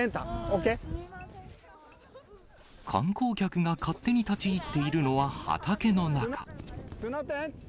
観光客が勝手に立ち入っているのは、畑の中。